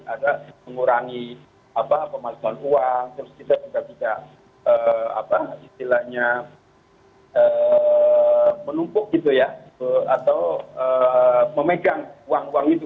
ada mengurangi pemalsuan uang terus kita juga tidak istilahnya menumpuk gitu ya atau memegang uang uang itu